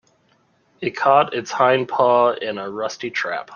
It caught its hind paw in a rusty trap.